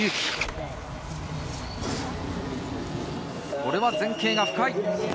これは前傾が深い。